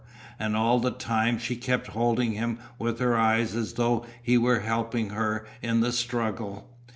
And all the time she kept holding him with her eyes as though he were helping her in the struggle.